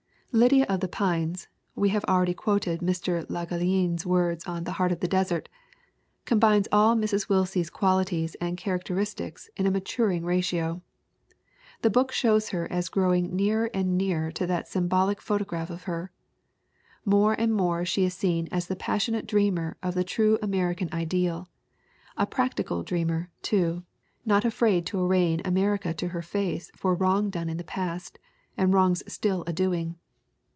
"Lydia of the Pines [we have already quoted Mr. Le Gallienne's words on The Heart of the Desert] combines all Mrs. Willsie's qualities and character istics in a maturing ratio. The book shows her as growing nearer and nearer to that symbolic photo graph of her. More and more she is seen as the pas sionate dreamer of the true American ideal, a prac tical dreamer, too, not afraid to arraign America to her face for wrong done in the past, and wrongs still a doing.